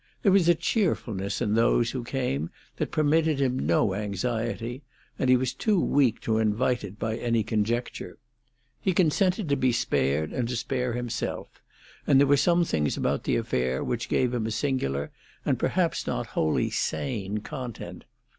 There was a cheerfulness in those who came that permitted him no anxiety, and he was too weak to invite it by any conjecture. He consented to be spared and to spare himself; and there were some things about the affair which gave him a singular and perhaps not wholly sane content.